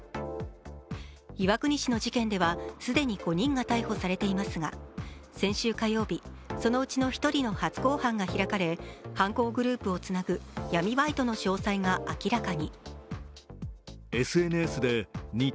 岩国市の事件では既に５人が逮捕されていますが先週火曜日、そのうちの一人の初公判が開かれ犯行グループをつなぐ闇バイトの詳細が明らかに。